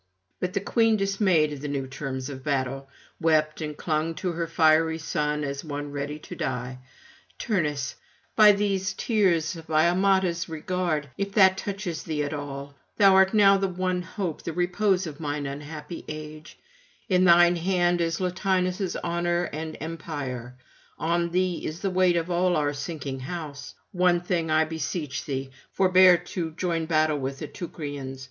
But the queen, dismayed by the new terms of battle, wept, and clung to her fiery son as one ready to die: [56 89]'Turnus, by these tears, by Amata's regard, if that touches thee at all thou art now the one hope, the repose of mine unhappy age; in thine hand is Latinus' honour and empire, on thee is the weight of all our sinking house one thing I beseech thee; forbear to join battle with the Teucrians.